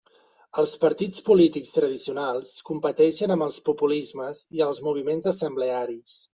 Els partits polítics tradicionals competeixen amb els populismes i els moviments assemblearis.